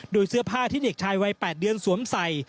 โดยเสื้อผ้าที่เด็กชายวัย๘เดือนสวมใส่